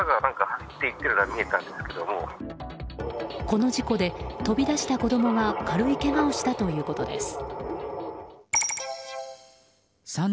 この事故で、飛び出した子供が軽いけがをしたということです。